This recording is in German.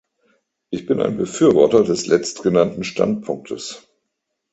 Ich bin ein Befürworter des letztgenannten Standpunktes.